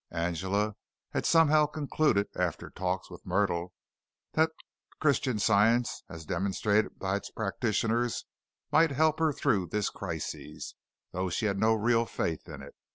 Angela had somehow concluded after talks with Myrtle that Christian Science, as demonstrated by its practitioners, might help her through this crisis, though she had no real faith in it.